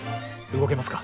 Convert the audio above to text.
動けますか？